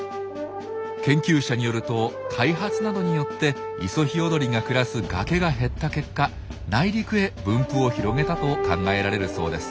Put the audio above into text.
研究者によると開発などによってイソヒヨドリが暮らす崖が減った結果内陸へ分布を広げたと考えられるそうです。